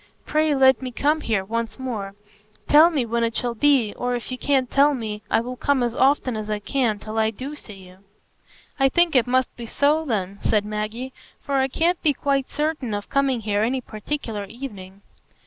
Pray let me come here once more. Tell me when it shall be; or if you can't tell me, I will come as often as I can till I do see you." "I think it must be so, then," said Maggie, "for I can't be quite certain of coming here any particular evening."